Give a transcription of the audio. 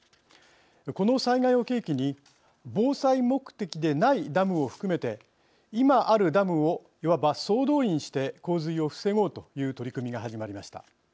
この災害を契機に防災目的でないダムを含めて今あるダムをいわば総動員して洪水を防ごうという取り組みが始まりました。